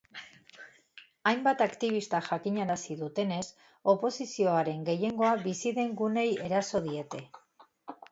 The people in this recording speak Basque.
Hainbat aktibistak jakinarazi dutenez, oposizioaren gehiengoa bizi den guneei eraso diete.